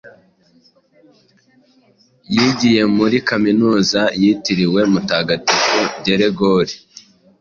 Yigiye muri Kaminuza yitiriwe Mutagatifu Geregori.